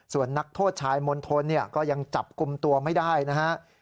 ส่วนนักโทษชายมณฑลก็ยังจับกลุ่มตัวไม่ได้นะครับ